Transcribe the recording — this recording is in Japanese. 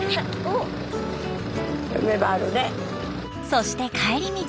そして帰り道。